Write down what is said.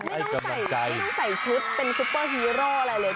จริงแน่นำไม่ต้องใส่ชุดเป็นซูเปอร์ฮีโร่อะไรเลย